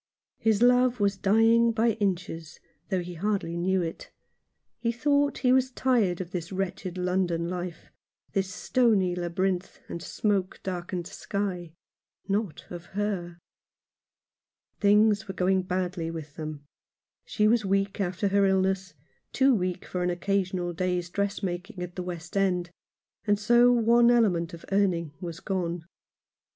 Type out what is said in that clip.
His love was dying by inches, though he hardly knew it. He thought he was tired of this wretched London life — this stony labyrinth, and smoke darkened sky — not of her. Things were going badly with them. She was weak after her illness — too weak for an occasional day's dressmaking at the West End, and so one element of earning was gone.